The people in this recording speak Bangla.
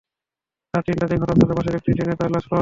রাত তিনটার দিকে ঘটনাস্থলের পাশের একটি ড্রেনে তাঁর লাশ পাওয়া যায়।